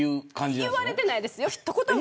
言われてないですよ、一言も。